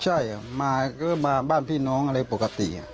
ใช่มาก็มาบ้านพี่น้องอะไรปกติ